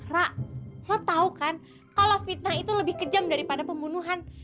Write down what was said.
rak lo tau kan kalau fitnah itu lebih kejam daripada pembunuhan